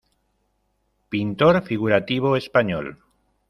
Pintor figurativo español.